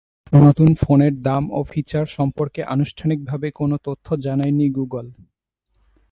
নতুন ফোনের দাম ও ফিচার সম্পর্কে আনুষ্ঠানিকভাবে কোনো তথ্য জানায়নি গুগল।